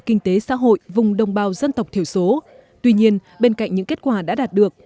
kinh tế xã hội vùng đồng bào dân tộc thiểu số tuy nhiên bên cạnh những kết quả đã đạt được